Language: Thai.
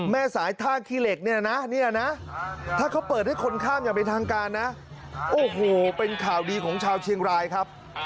แม่สายท่าขี้เหล็กเนี่ยนะเนี่ยนะถ้าเขาเปิดให้คนข้ามอย่างเป็นทางการนะโอ้โหเป็นข่าวดีของชาวเชียงรายครับ